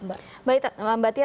mbak itat mbak tia